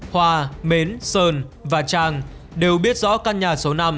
hòa mến sơn và trang đều biết rõ căn nhà số năm